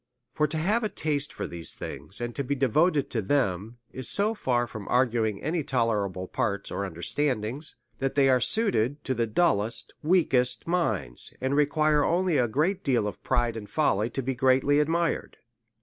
For to have a taste for these things, and to be devoted to them, is so far from arguing any tolerable parts or understanding, that they arc suited to the dullest, weakest minds, and require only a great deal of pride and folly to be greatly admired.